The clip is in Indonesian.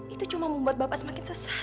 itu cuma membuat bapak semakin sesat